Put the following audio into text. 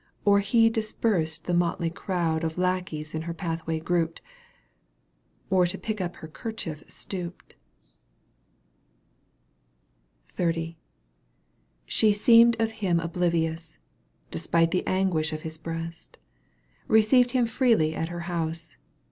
Or he dispersed the motley crowd Of lackeys in her pathway grouped, Or to pick up her kerchief stooped, XXX. She seemed of him oblivious, \ Despite the anguish of his breast, Eeceived him freely at her house.